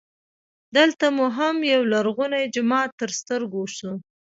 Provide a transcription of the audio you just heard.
دلته مو هم یولرغونی جومات تر ستر ګو سو.